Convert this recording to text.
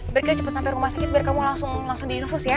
biar kita cepet sampe rumah sakit biar kamu langsung diinfus ya